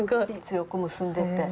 強く結んでて。